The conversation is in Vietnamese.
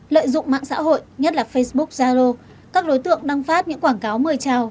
lợi dụng mạng xã hội nhất là facebook zaro các đối tượng đăng phát những quảng cáo mời trào